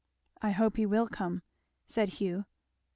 "I hope he will come!" said Hugh.